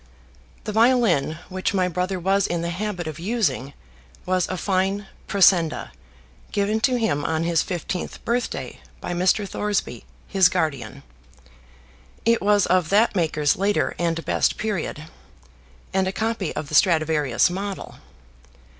The violin which my brother was in the habit of using was a fine Pressenda, given to him on his fifteenth birthday by Mr. Thoresby, his guardian. It was of that maker's later and best period, and a copy of the Stradivarius model.